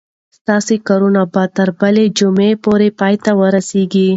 ستا کارونه به تر بلې جمعې پورې پای ته ورسیږي.